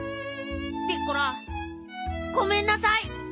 ピッコラごめんなさい。